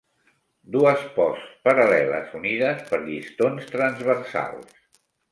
Dues posts paral·leles unides per llistons transversals.